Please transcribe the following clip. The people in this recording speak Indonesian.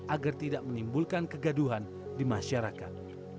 agar tidak menimbulkan kegaduhan di masyarakat